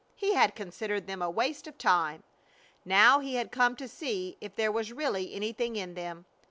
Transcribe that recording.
He had considered them a waste of time. Now he had come to see if there was really anything in them.